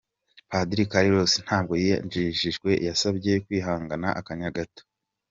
Padiri Carlos ntabwo yajijinganyije yansabye kwihangana akanya gato.